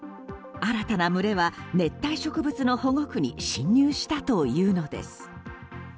新たな群れは熱帯植物の保護区に進入したというのです。